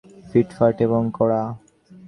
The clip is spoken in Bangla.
নতুন মাড় দেয়া শার্টের মতো, স্যারও ফিটফাট এবং কড়া।